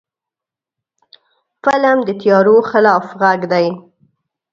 فلم د تیارو خلاف غږ دی